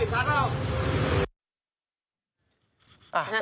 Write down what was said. เห็นเหรอเห็นซักเหรอ